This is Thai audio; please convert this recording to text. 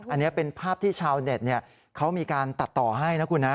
อันนี้เป็นภาพที่ชาวเน็ตเขามีการตัดต่อให้นะคุณนะ